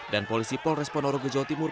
dan polisi polres ponorogo jawa timur